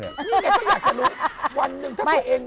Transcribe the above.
นี่ไงก็อยากจะรู้วันหนึ่งถ้าตัวเองวันหนึ่งมีงาน